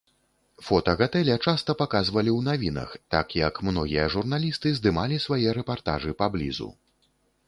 Фота гатэля часта паказвалі ў навінах, так як многія журналісты здымалі свае рэпартажы паблізу.